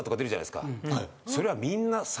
それはみんな。